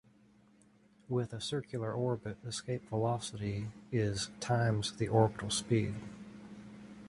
With a circular orbit, escape velocity is times the orbital speed.